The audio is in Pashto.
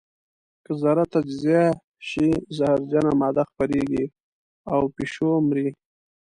که ذره تجزیه شي زهرجنه ماده خپرېږي او پیشو مري.